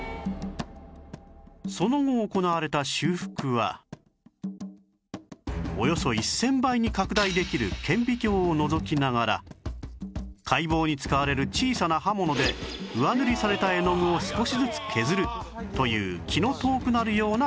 その後行われた修復はおよそ１０００倍に拡大できる顕微鏡をのぞきながら解剖に使われる小さな刃物で上塗りされた絵の具を少しずつ削るという気の遠くなるような作業